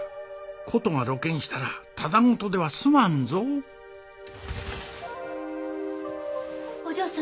事が露見したらただごとでは済まんぞお嬢様。